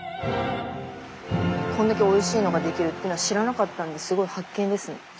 こんだけおいしいのが出来るってのは知らなかったんですごい発見ですね。